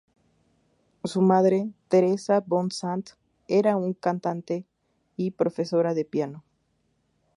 Su madre, Teresa von Zandt, era un cantante y profesora de piano.